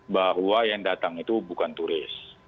bahwa yang datang itu bukan turis